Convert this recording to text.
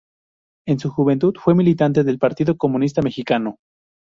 En su juventud fue militante del Partido Comunista Mexicano.